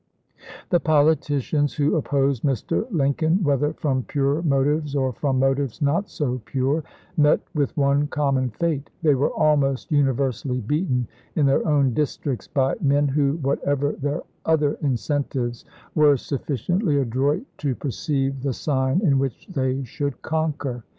The politicians who opposed Mr. Lincoln, whether from pure motives or from motives not so pure, met with one common fate : they were almost univer sally beaten in their own districts by men who, whatever their other incentives, were sufficiently adroit to perceive the sign in which they should conquer.